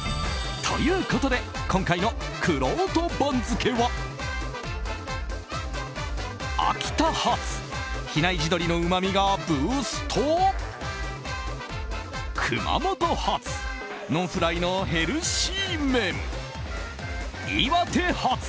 ということで今回のくろうと番付は秋田発比内地鶏のうまみがブースト熊本発ノンフライのヘルシー麺岩手発